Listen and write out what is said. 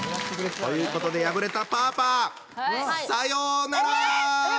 ということで敗れたパーパーさようなら！